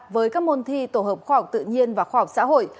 với các môn thi tổ hợp khoa học tự nhiên và khoa học xã hội